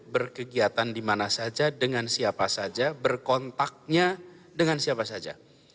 berkegiatan dimana saja dengan siapa saja berkontaknya dengan siapa saja